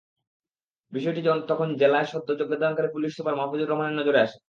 বিষয়টি তখন জেলায় সদ্য যোগদানকারী পুলিশ সুপার মাহফুজুর রহমানের নজরে আসে।